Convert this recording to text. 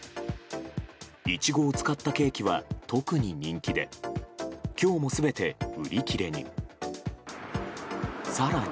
イチゴを使ったケーキは特に人気で今日も全て売り切れに。